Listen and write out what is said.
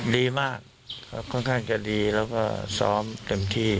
ดีมากครับค่อนข้างจะดีแล้วก็ซ้อมเต็มที่